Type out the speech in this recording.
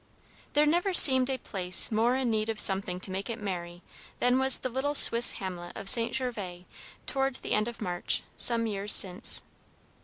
There never seemed a place more in need of something to make it merry than was the little Swiss hamlet of St. Gervas toward the end of March, some years since.